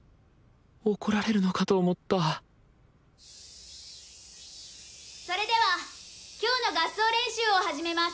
怒られるのかと思ったそれでは今日の合奏練習を始めます。